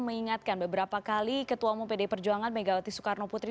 mengingatkan beberapa kali ketua umum pdi perjuangan megawati soekarno putri